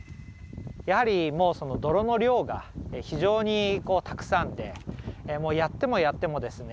やはりもうその泥の量が非常にたくさんでやってもやってもですね